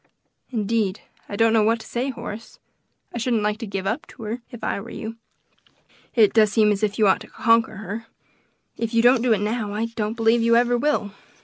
"Indeed, I don't know what to say, Horace; I shouldn't like to give up to her, if I were you; it does seem as if you ought to conquer her, and if you don't do it now, I do not believe you ever will."